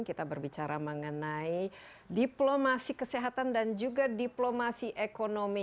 kita berbicara mengenai diplomasi kesehatan dan juga diplomasi ekonomi